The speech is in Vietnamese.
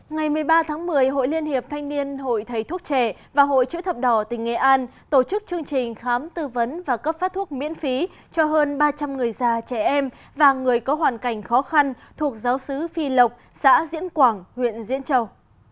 ngày một mươi ba tháng một mươi hội liên hiệp thanh niên hội thầy thuốc trẻ và hội chữ thập đỏ tỉnh nghệ an tổ chức chương trình khám tư vấn và cấp phát thuốc miễn phí cho hơn ba trăm linh người già trẻ em và người có hoàn cảnh khó khăn thuộc giáo sứ phi lộc xã diễn quảng huyện diễn châu